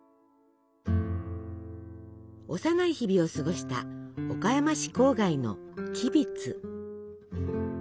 幼い日々を過ごした岡山市郊外の吉備津。